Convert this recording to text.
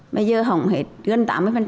bây giờ hổng hết gần tám mươi